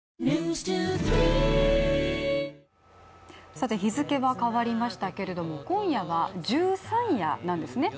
さて日付は変わりましたけれども今夜は十三夜なんですね。